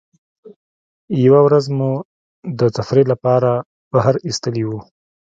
یوه ورځ مو د تفریح له پاره بهر ایستلي وو.